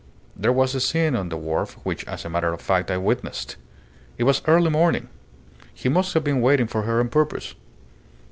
There was a scene on the wharf, which, as a matter of fact, I witnessed. It was early morning. He must have been waiting for her on purpose.